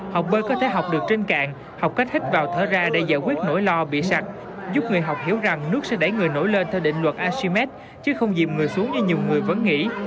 học bơi có thể học được trên cạn học cách hít vào thở ra để giải quyết nỗi lo bị sạch giúp người học hiểu rằng nước sẽ đẩy người nổi lên theo định luật asime chứ không dìm người xuống như nhiều người vẫn nghĩ